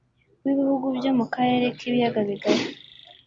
w Ibihugu byo mu Karere k Ibiyaga Bigari